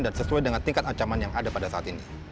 dan sesuai dengan tingkat ancaman yang ada pada saat ini